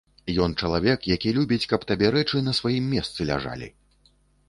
Ён чалавек, які любіць, каб табе рэчы на сваім месцы ляжалі.